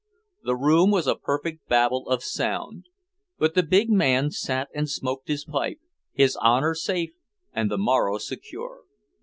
The room was a perfect babel of sound. But the big man sat and smoked his pipe, his honor safe and the morrow secure.